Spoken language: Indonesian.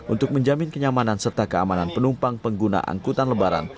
untuk menjamin kenyamanan serta keamanan penumpang pengguna angkutan lebaran